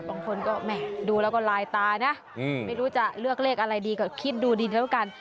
บางคนก็แหม่ดูแล้วก็ลายตานะไม่รู้จะเลือกเลขอะไรดีก็คิดดูดีเท่ากัน